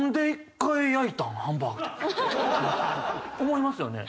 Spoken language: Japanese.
思いますよね？